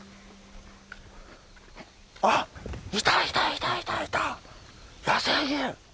あっいたいたいたいたいた！